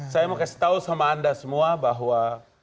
saya mau kasih tahu sama anda semua bahwa